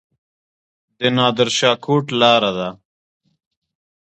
د نادر شاه کوټ لاره ده